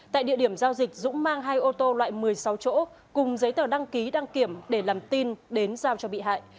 tại địa điểm giao dịch dũng mang hai ô tô loại một mươi sáu chỗ cùng giấy tờ đăng ký đăng kiểm để làm tin đến giao cho bị hại